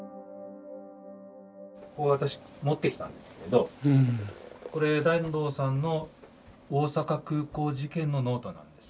私持ってきたんですけれどこれ團藤さんの大阪空港事件のノートなんです。